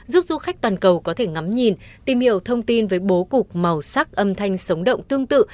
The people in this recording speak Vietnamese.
giúp du khách toàn cầu có thể ngắm nhìn tìm hiểu thông tin với bố cục màu sắc âm thanh sống động tương tự